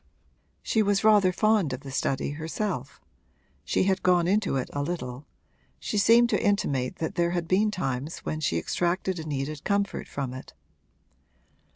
She was rather fond of the study herself; she had gone into it a little she seemed to intimate that there had been times when she extracted a needed comfort from it.